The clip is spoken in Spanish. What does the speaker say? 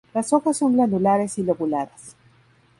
Las hojas son glandulares y lobuladas.